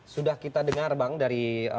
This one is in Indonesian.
sudah kita dengar bang dari